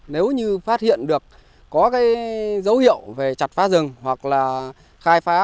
nếu như phát hiện được có cái dấu hiệu về chặt phá rừng hoặc là khai phá